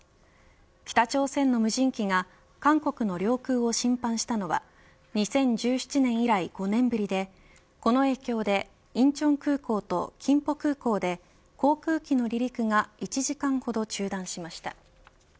北朝鮮の無人機が韓国の領空を侵犯したのは２０１７年以来５年ぶりでこの影響で仁川空港と金浦空港で航空機の離陸が１時間ほど中断しました。